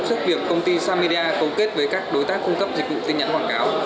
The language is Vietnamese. trước việc công ty samida cấu kết với các đối tác cung cấp dịch vụ tin nhắn quảng cáo